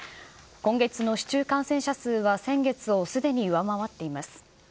今月の市中感染者数は先月をすでに上回っています。